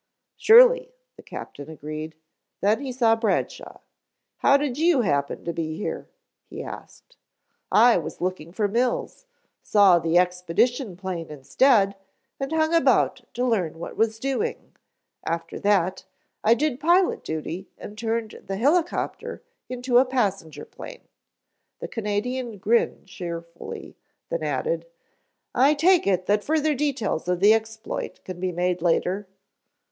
"Surely," the captain agreed, then he saw Bradshaw. "How did you happen to be here?" he asked. "I was looking for Mills, saw the expedition plane instead, and hung about to learn what was doing. After that, I did pilot duty and turned the helicopter into a passenger plane," the Canadian grinned cheerfully, then added, "I take it that further details of the exploit can be made later."